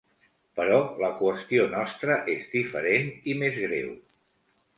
Però la qüestió nostra és diferent i més greu.